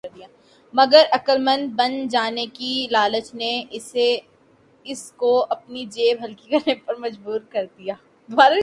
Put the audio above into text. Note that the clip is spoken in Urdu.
مگر عقل مند بن جانے کی لالچ نے اس کو اپنی جیب ہلکی کرنے پر مجبور کر دیا۔